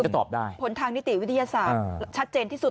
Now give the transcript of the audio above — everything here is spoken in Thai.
ตอบได้ผลทางนิติวิทยาศาสตร์ชัดเจนที่สุด